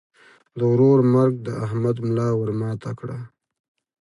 د ورور مرګ د احمد ملا ور ماته کړه.